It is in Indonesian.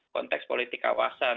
konteks politik kawasan